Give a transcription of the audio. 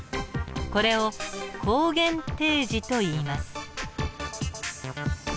これを抗原提示といいます。